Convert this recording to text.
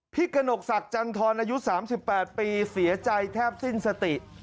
กระหนกศักดิ์จันทรอายุ๓๘ปีเสียใจแทบสิ้นสติ